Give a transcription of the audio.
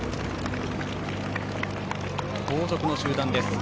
後続集団です。